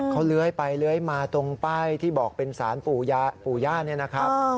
เขาเลื้อยไปเลื้อยมาตรงป้ายที่บอกเป็นสารปู่ย่าเนี่ยนะครับ